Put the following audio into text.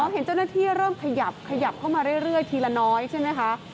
เห็นเจ้าหน้าที่เริ่มขยับขยับเข้ามาเรื่อยทีละน้อยใช่ไหมคะ